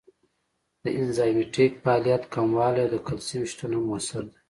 د انزایمټیک فعالیت کموالی او د کلسیم شتون هم مؤثر دی.